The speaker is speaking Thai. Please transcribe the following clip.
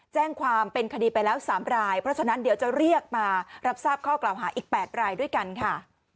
แจ้งความเป็นคดีไปแล้ว๓รายเพราะฉะนั้นเดี๋ยวจะเรียกมารับทราบข้อกล่าวหาอีก๘รายด้วยกันค่ะ